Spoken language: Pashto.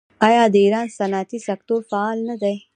آیا د ایران صنعتي سکتور فعال نه دی؟